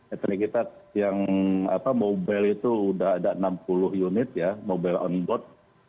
etelik kita yang mobil itu sudah ada enam puluh unit mobil on board